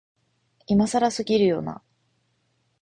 今更すぎるよな、